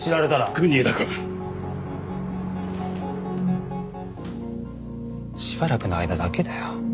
国枝くん。しばらくの間だけだよ。